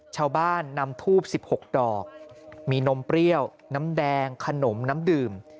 ชาวบ้านนำทูบ๑๖ดอกมีนมเปรี้ยวน้ำแดงขนมน้ำดื่ม